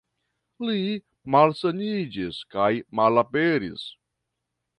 Li malsaniĝis kaj malaperis.